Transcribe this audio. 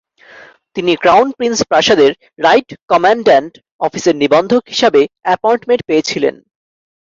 তিনি crown prince প্রাসাদের right commandant অফিসের নিবন্ধক হিসাবে অ্যাপয়েন্টমেন্ট পেয়েছিলেন।